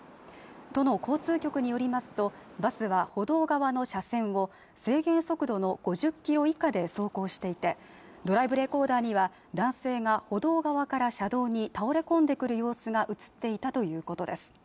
都の交通局によりますと、バスは舗道側の車線を制限速度の５０キロ以下で走行していて、ドライブレコーダーには男性が歩道側から車道に倒れ込んでくる様子が映っていたということです。